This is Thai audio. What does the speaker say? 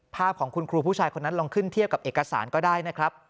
ภาพของคุณครูผู้ชายคนนั้นลองขึ้นเทียบกับเอกสารก็ได้นะครับ